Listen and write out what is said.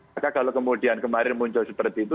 maka kalau kemudian kemarin muncul seperti itu